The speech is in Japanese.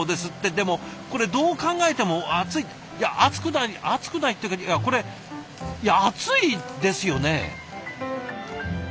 でもこれどう考えても熱いいや熱くない熱くないっていうかいやこれいや熱いですよね？